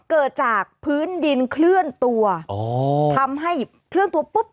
เกิดจากพื้นดินเคลื่อนตัวอ๋อทำให้เคลื่อนตัวปุ๊บ